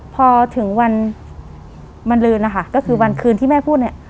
พอถึงวันมันลืนนะคะก็คือวันคืนที่แม่พูดเนี่ย